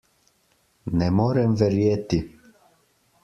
Ne morem verjeti.